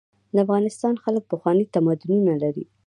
د افغانستان خلک پخواني تمدنونه لري.